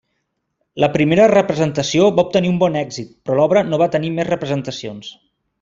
La primera representació va obtenir un bon èxit, però l'obra no va tenir més representacions.